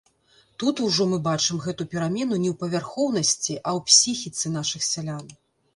Тут ужо мы бачым гэту перамену не ў павярхоўнасці, а ў псіхіцы нашых сялян.